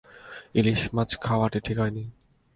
ইলিশ মাছ খাওয়াটা ঠিক হয় নি।